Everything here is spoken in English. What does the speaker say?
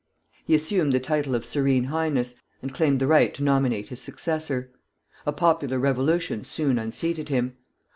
He assumed the title of Serene Highness, and claimed the right to nominate his successor. A popular revolution soon unseated him.